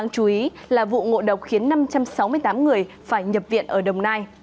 chú ý là vụ ngộ độc khiến năm trăm sáu mươi tám người phải nhập viện ở đồng nai